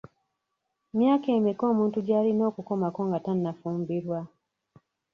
Myaka emeka omuntu gy'alina okukomako nga tannafumbirwa?